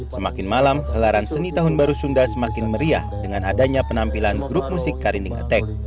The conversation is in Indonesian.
semakin malam gelaran seni tahun baru sunda semakin meriah dengan adanya penampilan grup musik karinding attack